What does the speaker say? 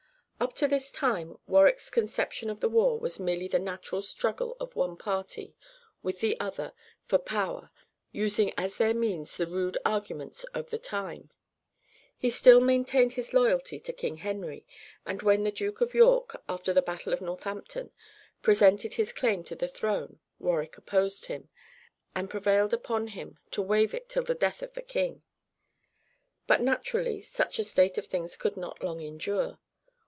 Up to this time Warwick's conception of the war was merely the natural struggle of the one party with the other for power, using as their means the rude arguments of the time. He still maintained his loyalty to King Henry, and when the Duke of York, after the battle of Northampton, presented his claim to the throne Warwick opposed him, and prevailed upon him to waive it till the death of the king. But naturally such a state of things could not long endure.